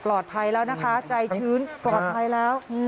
ปลอดภัยแล้วนะคะใจชื้นปลอดภัยแล้ว